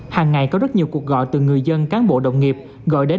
hàng ngày có rất nhiều cuộc gọi từ người dân cán bộ đồng nghiệp gọi đến